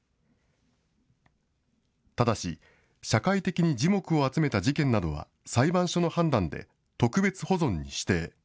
ただし、社会的に耳目を集めた事件などは、裁判所の判断で特別保存に指定。